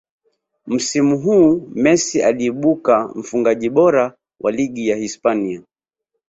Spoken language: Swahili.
msimu huu Messi aliibuka mfungaji bora wa ligi ya hispania